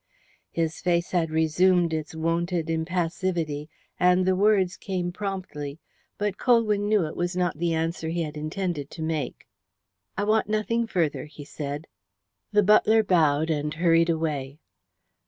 His face had resumed its wonted impassivity, and the words came promptly, but Colwyn knew it was not the answer he had intended to make. "I want nothing further," he said. The butler bowed, and hurried away.